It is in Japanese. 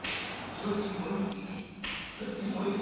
そちもゆけ。